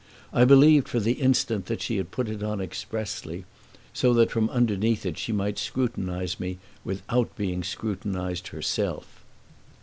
I believed for the instant that she had put it on expressly, so that from underneath it she might scrutinize me without being scrutinized herself.